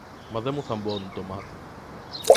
Μα δε μου θαμπώνουν το μάτι.